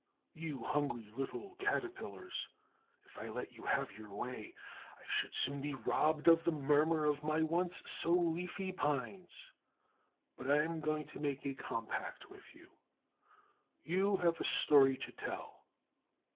You hungry little Caterpillars, if I let you have your way, I should soon be robbed of the murmur of my once so leafy pines. But I am going to make a compact with you. You have a story to tell.